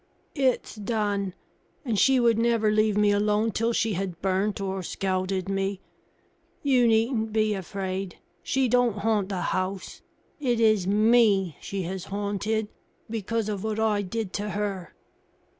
"It's done. And she would never leave me alone till she had burnt or scalded me. You needn't be afraid she don't haunt the house. It is me she has haunted, because of what I did to her."